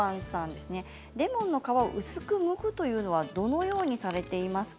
レモンの皮を薄くむくというのはどのようにされていますか？